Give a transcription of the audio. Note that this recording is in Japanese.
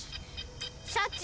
シャチ。